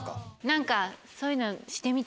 何かそういうの。